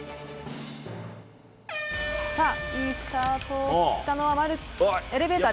さあ、いいスタートを切ったのはエレベーター。